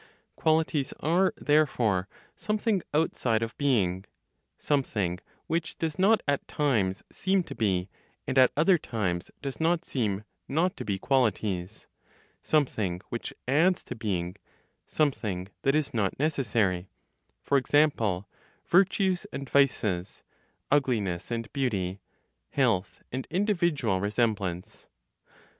Qualities are therefore something outside of being; something which does not at times seem to be, and at other times does not seem not to be qualities; something which adds to being something that is not necessary; for example, virtues and vices, ugliness and beauty, health, and individual resemblance.